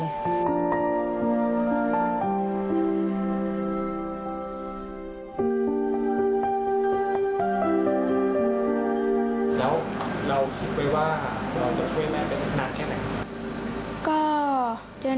แล้วเราคิดไว้ว่าเราจะช่วยแม่ไปได้นานแค่ไหนครับ